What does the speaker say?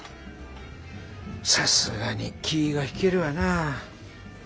さすがに気ぃが引けるわなあ。